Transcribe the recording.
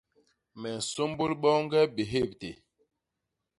Me nsômbôl boñge bihébté.